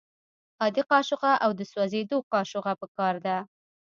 عادي قاشوغه او د سوځیدو قاشوغه پکار ده.